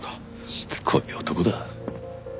しつこい男だ。